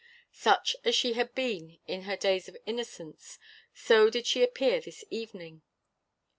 Such as she had been in her days of innocence, so did she appear this evening.